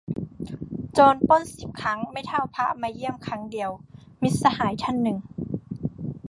"โจรปล้นสิบครั้ง ไม่เท่าพระมาเยี่ยมครั้งเดียว" - มิตรสหายท่านหนึ่ง